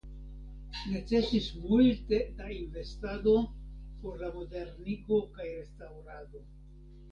Necesis multe da investado por la modernigo kaj restaŭrado.